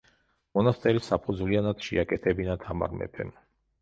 მონასტერი საფუძვლიანად შეაკეთებინა თამარ მეფემ.